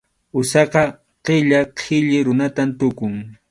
Usaqa qilla qhilli runatam tukun.